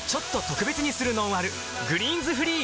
「グリーンズフリー」